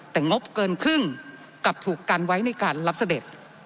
แต่งบเกินครึ่งกลับถูกกันไว้ในการรับเสด็จ